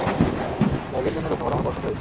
ব্যাগের জন্য ধন্যবাদ, আমার পছন্দ হয়েছে।